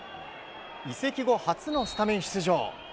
移籍後初のスタメン出場。